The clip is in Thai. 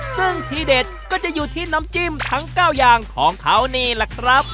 ซึ่งที่เด็ดก็จะอยู่ที่น้ำจิ้มทั้ง๙อย่างของเขานี่แหละครับ